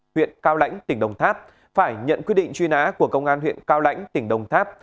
huyện cao lãnh tỉnh đồng tháp phải nhận quyết định truy nã của công an huyện cao lãnh tỉnh đồng tháp